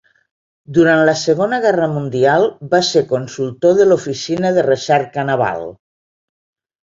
Durant la Segona Guerra Mundial va ser consultor de l'Oficina de Recerca Naval.